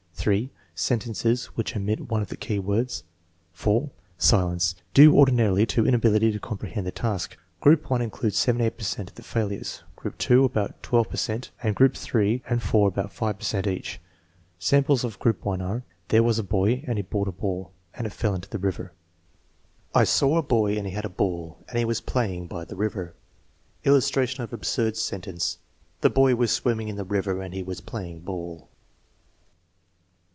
(3) Sentences which omit one of the key words. (4) Silence, due ordinarily to inability to comprehend the task. Group 1 includes 78 per cent of the failures; group 2, about 12 per cent; and group 3 and 4 about 5 per cent each. Samples of group 1 are: "There was a boy, and he bought a ball, and it fell into the river/* "I saw a boy, and he had a ball, and he was play ing by the river." Illustration of an absurd sentence, "The boy was swimming in the river and he was playing ball."